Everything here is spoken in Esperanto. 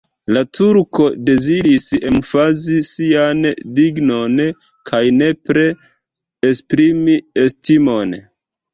La turko deziris emfazi sian dignon kaj nepre esprimi estimon.